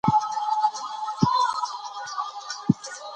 له ښاغلي مدير صيب څخه